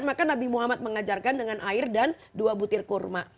maka nabi muhammad mengajarkan dengan air dan dua butir kurma